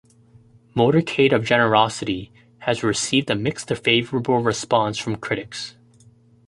"Motorcade of Generosity" has received a mixed-to-favorable response from critics.